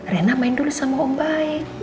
rena main dulu sama om baik